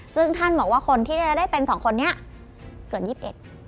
ซึ่งท่านบอกว่าคนที่จะได้เป็น๒คนนี้เกิด๒๑